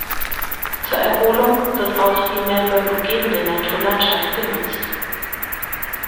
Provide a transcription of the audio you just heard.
Zur Erholung wird auch die Melbourne umgebende Naturlandschaft genutzt.